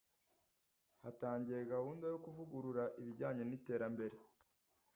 Hatangiye gahunda yo kuvugurura ibijyanye n’iterambere